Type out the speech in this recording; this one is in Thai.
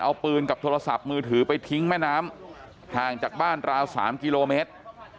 เอาปืนกับโทรศัพท์มือถือไปทิ้งแม่น้ำห่างจากบ้านราว๓กิโลเมตร